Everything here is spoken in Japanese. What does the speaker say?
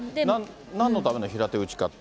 なんのための平手打ちかって。